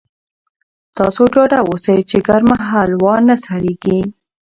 تاسو ډاډه اوسئ چې ګرمه هلوا نه سړېږي.